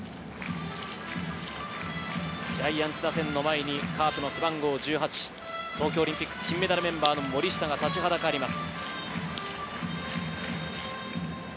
ジャイアンツ打線の前にカープの背番号１８、東京オリンピック金メダルメンバーの森下が立ちはだかります。